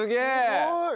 すごい！